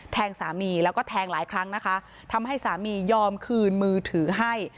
สามีแล้วก็แทงหลายครั้งนะคะทำให้สามียอมคืนมือถือให้